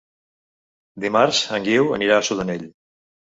Dimarts en Guiu anirà a Sudanell.